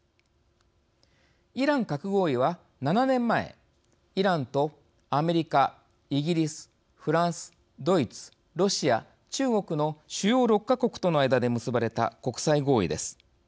「イラン核合意」は７年前イランとアメリカイギリス、フランス、ドイツロシア、中国の主要６か国との間で結ばれた国際合意です。